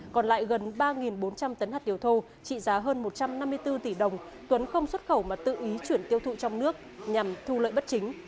còn lại gần ba bốn trăm linh tấn hạt điều thô trị giá hơn một trăm năm mươi bốn tỷ đồng tuấn không xuất khẩu mà tự ý chuyển tiêu thụ trong nước nhằm thu lợi bất chính